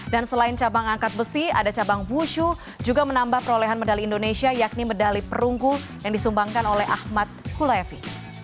dan selain cabang angkat besi ada cabang busu juga menambah perolehan medali indonesia yakni medali perunggu yang disumbangkan oleh ahmad hulaifi